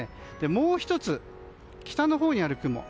もう１つ北のほうにある雲。